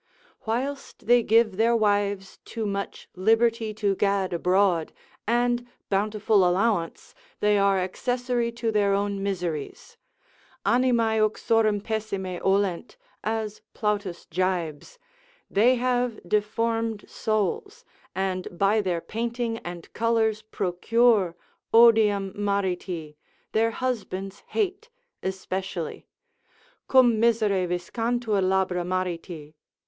Whilst they give their wives too much liberty to gad abroad, and bountiful allowance, they are accessory to their own miseries; animae uxorum pessime olent, as Plautus jibes, they have deformed souls, and by their painting and colours procure odium mariti, their husband's hate, especially,— cum misere viscantur labra mariti.